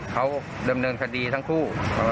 เขาดำเนินคดีทั้งคู่